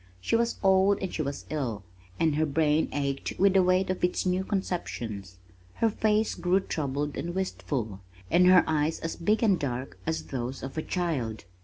She was old and she was ill, and her brain ached with the weight of its new conceptions. Her face grew troubled and wistful, and her eyes as big and dark as those of a child.